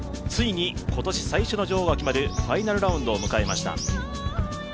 ついに今年最初の女王が決まるファイナルラウンドを迎えました。